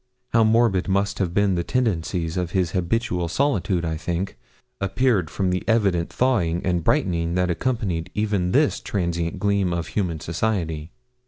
How morbid must have been the tendencies of his habitual solitude, I think, appeared from the evident thawing and brightening that accompanied even this transient gleam of human society.